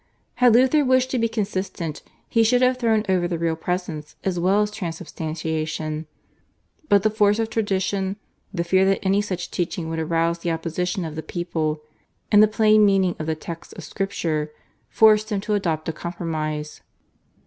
Had Luther wished to be consistent he should have thrown over the Real Presence as well as Transubstantiation, but the force of tradition, the fear that any such teaching would arouse the opposition of the people, and the plain meaning of the texts of Scripture forced him to adopt a compromise.